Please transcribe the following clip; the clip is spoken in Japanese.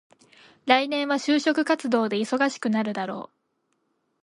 来年は就職活動で忙しくなるだろう。